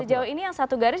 sejauh ini yang satu garis